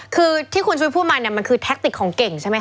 คือที่คุณชุวิตพูดมาเนี่ยมันคือแท็กติกของเก่งใช่ไหมค